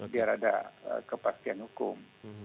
biar ada kepastian hukum